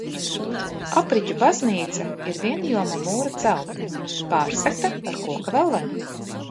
Apriķu baznīca ir vienjoma mūra celtne, pārsegta ar koka velvēm.